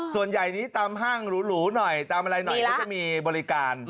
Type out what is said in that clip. ส่วนใหญ่นี้ตามห้างหรูหน่อยตามอะไรหน่อยก็จะมีบริการ